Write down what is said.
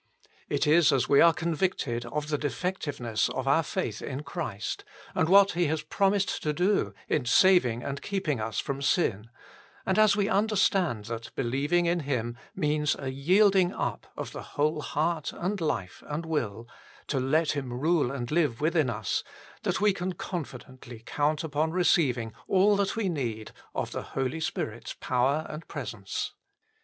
It is as we are con victed of the defectiveness of our faith in Christ, and what He has promised to do in saving and keeping us from sin, and as we understand that believing in Him means a yielding up of the whole heart and life and will, to let Him rule and live within us, that we can confidently count upon receiving all that we need of the Holy Spirit s power and presence.